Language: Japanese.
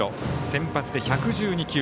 先発で１１２球。